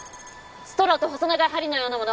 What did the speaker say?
ストローと細長い針のようなもの